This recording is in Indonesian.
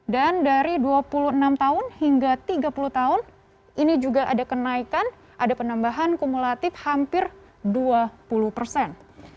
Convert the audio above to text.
dan dari dua puluh enam hingga tiga puluh tahun ini juga ada kenaikan ada penambahan kumulatif hampir dua puluh persen